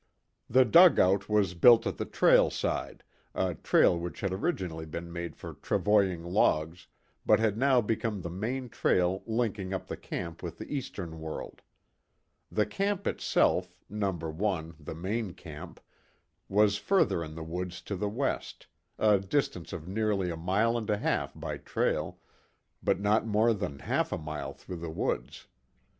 The dugout was built at the trail side, a trail which had originally been made for travoying logs, but had now become the main trail linking up the camp with the eastern world. The camp itself No. 1, the main camp was further in the woods to the west, a distance of nearly a mile and a half by trail, but not more than half a mile through the woods.